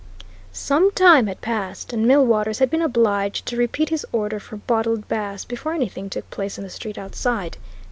Some time had passed, and Millwaters had been obliged to repeat his order for bottled Bass before anything took place in the street outside.